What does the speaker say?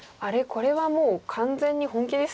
これはもう完全に本気ですか？